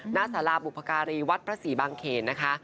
หน้าศาลาบุพการีวัดพระศรีบังเขณฑ์นะคะ